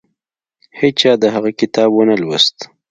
هیچا د هغه کتاب ونه لوست.